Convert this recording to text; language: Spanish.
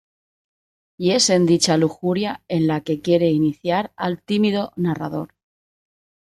Y es en dicha lujuria en la que quiere iniciar al tímido narrador.